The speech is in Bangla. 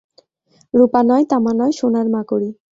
রুপা নয়, তামা নয়, সোনার মাকড়ি।